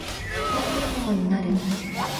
海賊王になる